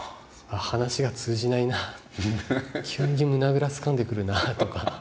話が通じないな急に胸ぐらつかんでくるなとか。